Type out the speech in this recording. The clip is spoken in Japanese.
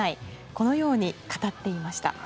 このように語っていました。